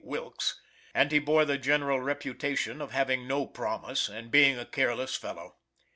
Wilkes and he bore the general reputation of having no promise, and being a careless fellow.